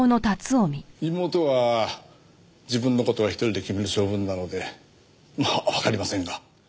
妹は自分の事は１人で決める性分なのでまあわかりませんが。